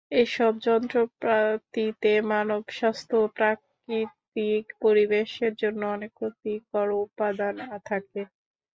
এসব যন্ত্রপাতিতে মানবস্বাস্থ্য ও প্রাকৃতিক পরিবেশের জন্য অনেক ক্ষতিকর উপাদান থাকে।